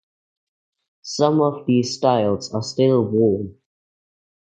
Some of these styles are still worn.